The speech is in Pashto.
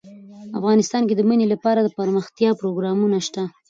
افغانستان کې د منی لپاره دپرمختیا پروګرامونه شته.